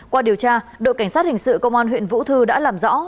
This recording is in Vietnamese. qua điều tra đội cảnh sát hình sự công an huyện vũ thư đã làm rõ